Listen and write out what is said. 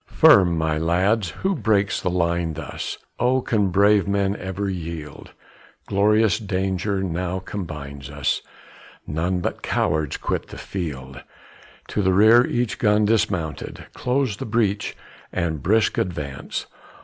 Firm, my lads; who breaks the line thus? Oh! can brave men ever yield, Glorious danger now combines us, None but cowards quit the field. To the rear each gun dismounted; Close the breach, and brisk advance.